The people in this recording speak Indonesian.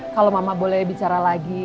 kalau mama boleh bicara lagi